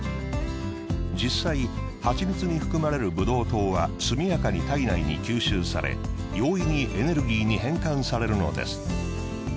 実際蜂蜜に含まれるブドウ糖は速やかに体内に吸収され容易にエネルギーに変換されるのです。